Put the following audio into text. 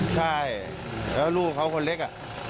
ใช่แล้วลูกเขาคนเล็กอ่ะ